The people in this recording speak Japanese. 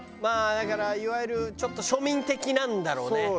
まあだからいわゆるちょっと庶民的なんだろうね。